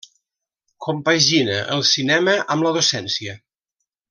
Compagina el cinema amb la docència.